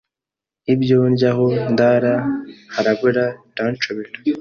ibyo ndya aho ndara harabura biranshobera